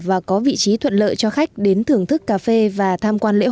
và có vị trí thuận lợi cho khách đến thưởng thức cà phê và tham quan lễ hội